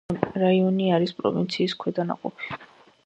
რაიონი არის პროვინციის ქვედანაყოფი.